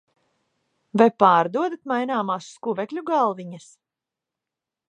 Vai pārdodat maināmās skuvekļu galviņas?